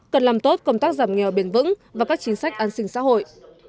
cần làm tốt công tác giảm nghèo bền vững và các chính sách an sinh xã hội